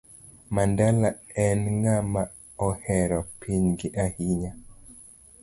Mandela en ng'ama ohero pinygi ahinya